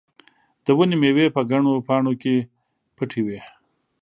د ونې مېوې په ګڼه پاڼه کې پټې وې.